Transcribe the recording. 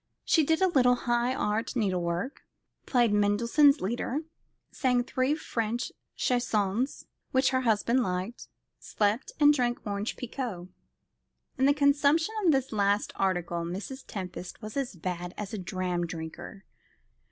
She did a little high art needle work, played Mendelssohn's Lieder, sang three French chansons which her husband liked, slept, and drank orange pekoe. In the consumption of this last article Mrs. Tempest was as bad as a dram drinker.